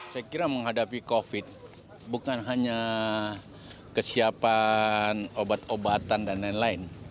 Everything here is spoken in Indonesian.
saya kira menghadapi covid bukan hanya kesiapan obat obatan dan lain lain